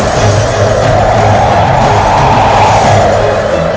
dan menghentikan raiber